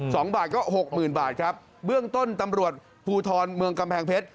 สองบาทก็หกหมื่นบาทครับเบื้องต้นตำรวจภูทรเมืองกำแพงเพชร